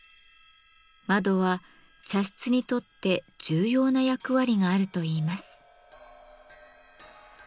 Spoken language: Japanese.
窓は茶室にとって重要な役割があるといいます。